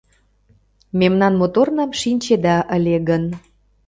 Мемнан моторнам шинчеда ыле гын